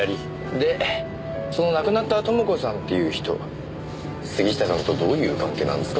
でその亡くなった朋子さんっていう人杉下さんとどういう関係なんですか？